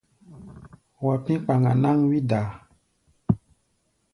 Wa pí̧ kpaŋa náŋ wí-daa.